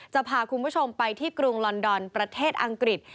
จะพาคุณผู้ชมไปที่กรุงลอนดอนประเทศอังกฤษ